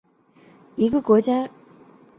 一个失败国家有几个表现。